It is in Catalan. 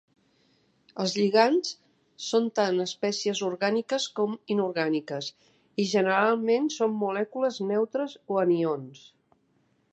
Els lligands són tant espècies orgàniques com inorgàniques, i generalment són molècules neutres o anions.